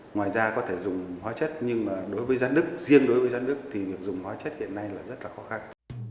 ngoài ra có thể dùng hóa chất nhưng mà đối với rán đức riêng đối với rán đức thì dùng hóa chất hiện nay là rất là khó khăn